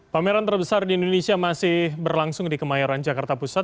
pameran terbesar di indonesia masih berlangsung di kemayoran jakarta pusat